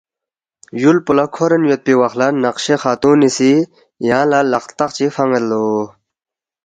یُول پو لہ کھورین یودپی وخ لہ نقشِ خاتونی سی یانگ لہ لق ہرتخ چی فان٘ید لو